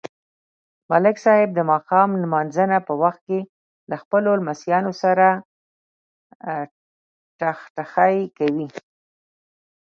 ملک صاحب د ماښام نمانځه په وخت له خپلو لمسیانو سره ټخټخی کوي.